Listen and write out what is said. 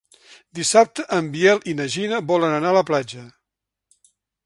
Dissabte en Biel i na Gina volen anar a la platja.